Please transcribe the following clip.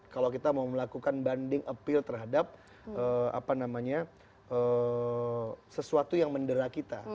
kalau kita mau melakukan banding appeal terhadap sesuatu yang mendera kita